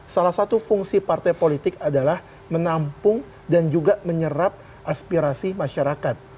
salah satu fungsi partai politik adalah menampung dan juga menyerap aspirasi masyarakat